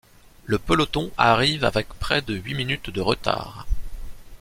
Le peloton arrive avec près de huit minutes de retard.